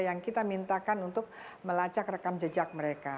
yang kita mintakan untuk melacak rekam jejak mereka